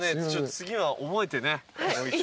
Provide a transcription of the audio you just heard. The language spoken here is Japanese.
次は覚えてね。